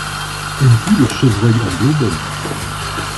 Aimes-tu le chevreuil en daube?